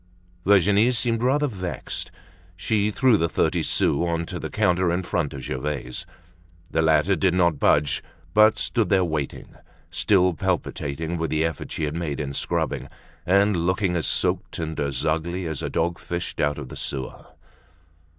Virginie seemed rather vexed. She threw the thirty sous on to the counter in front of Gervaise. The latter did not budge but stood there waiting, still palpitating with the effort she had made in scrubbing, and looking as soaked and as ugly as a dog fished out of the sewer.